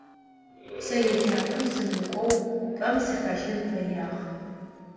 Сэ еджапӏэм сымыкӏоу пӏэм сыхэлъын фэягъ.